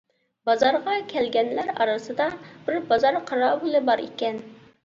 بازارغا كەلگەنلەر ئارىسىدا بىر بازار قاراۋۇلى بار ئىكەن.